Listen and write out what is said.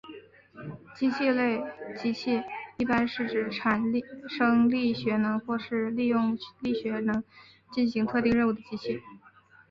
机械类机器一般是指产生力学能或是利用力学能进行特定任务的机器。